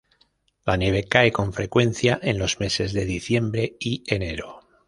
La nieve cae con frecuencia en los meses de diciembre y enero.